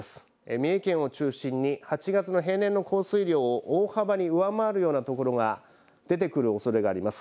三重県を中心に８月の平年の降水量を大幅に上回るようなところが出てくるおそれがあります。